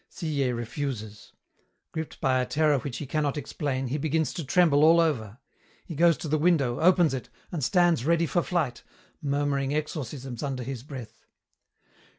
Sillé refuses. Gripped by a terror which he cannot explain, he begins to tremble all over. He goes to the window, opens it, and stands ready for flight, murmuring exorcisms under his breath.